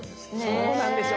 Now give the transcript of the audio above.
そうなんですよ。